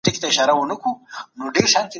په دې تعریف کي د پانګیزو اجناسو خبره هېره ده.